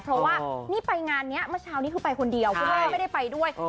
เพราะว่านี่ไปงานนี้เมื่อเช้านี้คือไปคนเดียวคุณแม่ไม่ได้ไปด้วย